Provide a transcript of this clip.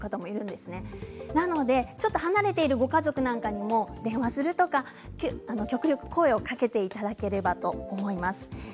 ですので離れているご家族なんかにも電話をするとか極力声をかけていただければと思います。